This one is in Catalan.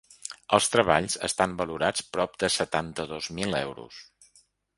Els treballs estan valorats prop de setanta-dos mil euros.